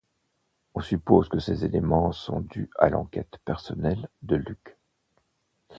On suppose que ces éléments sont dus à l’enquête personnelle de Luc.